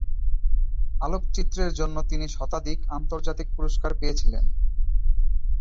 আলোকচিত্রের জন্য তিনি শতাধিক আন্তর্জাতিক পুরস্কার পেয়েছিলেন।